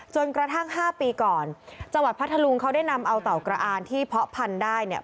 กระทั่ง๕ปีก่อนจังหวัดพัทธลุงเขาได้นำเอาเต่ากระอานที่เพาะพันธุ์ได้เนี่ย